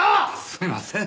すいません。